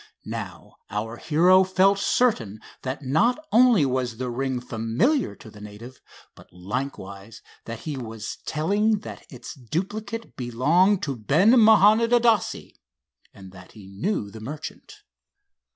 Now our hero felt certain that not only was the ring familiar to the native, but likewise that he was telling that its duplicate belonged to Ben Mahanond Adasse, and that he knew the merchant.